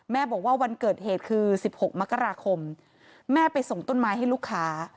บอกว่าวันเกิดเหตุคือ๑๖มกราคมแม่ไปส่งต้นไม้ให้ลูกค้า